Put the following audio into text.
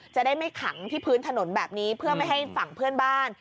จะได้ไม่ขังที่พื้นถนนแบบนี้เพื่อไม่ให้ฝั่งเพื่อนบ้าน